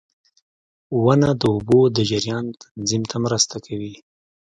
• ونه د اوبو د جریان تنظیم ته مرسته کوي.